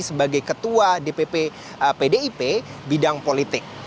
sebagai ketua dpp pdip bidang politik